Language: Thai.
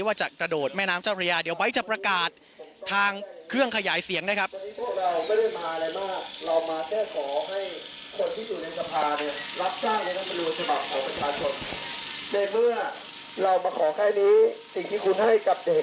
ว่าจะกระโดดแม่น้ำเจ้าพระยาเดี๋ยวไบท์จะประกาศทางเครื่องขยายเสียงนะครับ